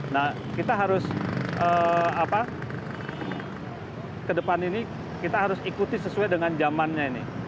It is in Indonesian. nah kita harus ke depan ini kita harus ikuti sesuai dengan zamannya ini